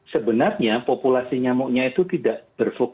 sebenarnya populasi nyamuknya itu tidak berfungsi